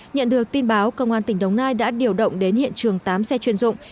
nhận được tin báo công an tỉnh đồng nai đã điều động đến hiện trường tám xe chuyên dụng